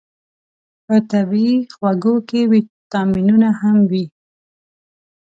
په طبیعي خوږو کې ویتامینونه هم وي.